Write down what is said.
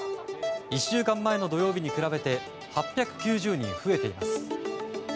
１週間前の土曜日に比べて８９０人増えています。